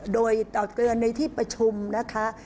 โดยตักเตือนในที่ประชุมนะคะ